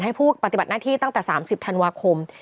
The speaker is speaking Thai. ให้ผู้ปฏิบัติหน้าที่ตั้งแต่๓๐ธันวาคม